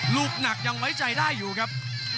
ลูกหนักยังไว้ใจได้อยู่ครับ